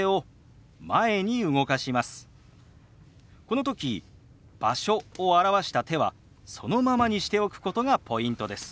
この時「場所」を表した手はそのままにしておくことがポイントです。